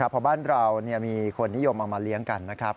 เพราะบ้านเรามีคนนิยมเอามาเลี้ยงกันนะครับ